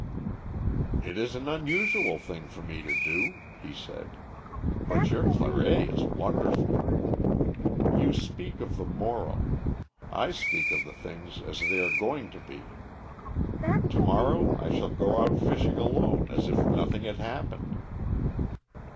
"It is an unusual thing for me to do," he said, "but your claret is wonderful. You speak of the moral, I speak of the things as they are going to be. To morrow I shall go out fishing alone as if nothing had happened."